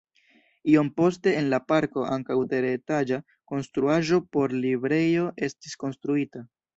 Iom poste en la parko ankaŭ teretaĝa konstruaĵo por librejo estis konstruita.